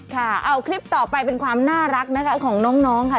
ค่ะเอาคลิปต่อไปเป็นความน่ารักนะคะของน้องค่ะ